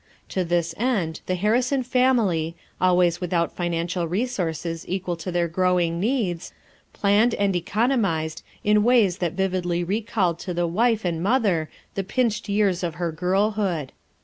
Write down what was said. To this end the Harrison family, always without financial resources equal to their growing needs, planned and economized in ways that vividly recalled to the wife and mother the pinched years of her girlhood.